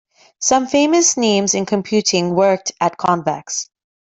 Some famous names in computing worked at Convex.